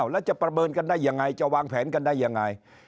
แล้วจะประเมินกันได้ยังไงจะวางแผนกันได้ยังไง